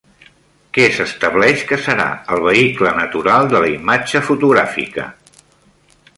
Què s'estableix que serà el vehicle natural de la imatge fotogràfica?